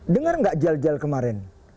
dengar gak jel jel kemarin